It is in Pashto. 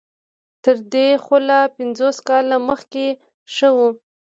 تر دې خو لا پنځوس کاله مخکې ښه وو.